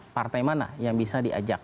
partai mana yang bisa diajak